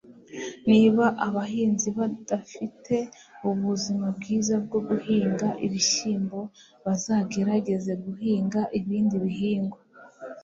Niba abahinzi badafite ubuzima bwiza bwo guhinga ibishyimbo, bazagerageza guhinga ibindi bihingwa.